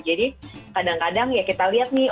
jadi kadang kadang ya kita lihat nih